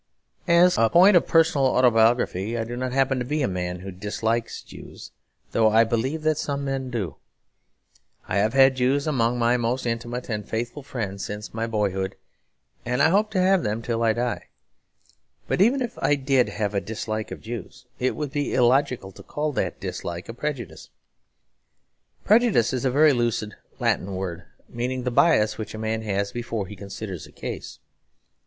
As a point of personal autobiography, I do not happen to be a man who dislikes Jews; though I believe that some men do. I have had Jews among my most intimate and faithful friends since my boyhood, and I hope to have them till I die. But even if I did have a dislike of Jews, it would be illogical to call that dislike a prejudice. Prejudice is a very lucid Latin word meaning the bias which a man has before he considers a case.